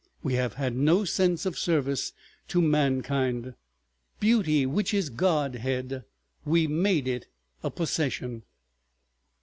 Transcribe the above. ... We have had no sense of service to mankind. Beauty which is godhead—we made it a possession."